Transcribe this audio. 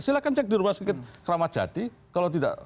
silahkan cek di rumah sakit kramat jati kalau tidak